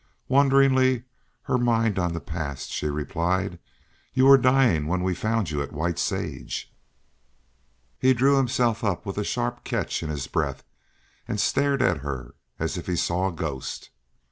Wonderingly, her mind on the past, she replied: "You were dying when we found you at White Sage." He drew himself up with a sharp catch in his breath, and stared at her as if he saw a ghost.